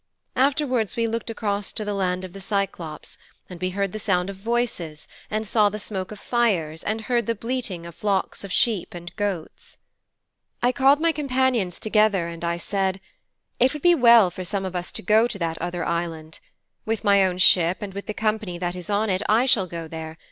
Afterwards we looked across to the land of the Cyclôpes, and we heard the sound of voices and saw the smoke of fires and heard the bleating of flocks of sheep and goats.' 'I called my companions together and I said, "It would be well for some of us to go to that other island. With my own ship and with the company that is on it I shall go there.